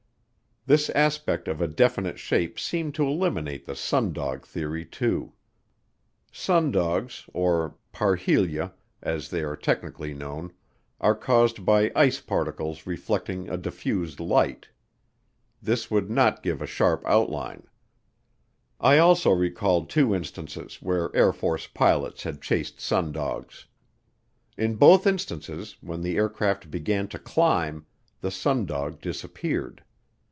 This aspect of a definite shape seemed to eliminate the sundog theory too. Sundogs, or parhelia, as they are technically known, are caused by ice particles reflecting a diffused light. This would not give a sharp outline. I also recalled two instances where Air Force pilots had chased sundogs. In both instances when the aircraft began to climb, the sundog disappeared.